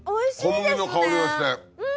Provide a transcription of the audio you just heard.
小麦の香りがして。